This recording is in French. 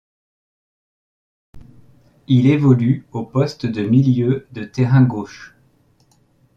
Il évolue au poste de milieu de terrain gauche.